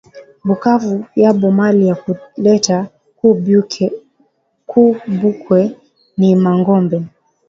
Bukavu yabo mali ya kuleta ku bukwe ni mangombe